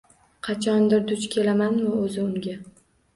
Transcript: Qachondir duch kelamanmi o`zi unga